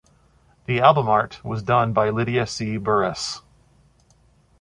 The album art was done by Lydia C. Burris.